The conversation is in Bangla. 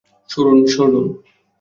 সরুন, সরুন!